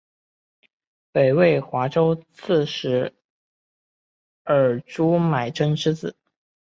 北魏华州刺史尔朱买珍之子。